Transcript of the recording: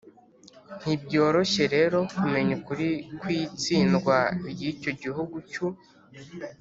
ntibyoroshye rero kumenya ukuri kw'itsindwa ry'icyo gihugu cy'u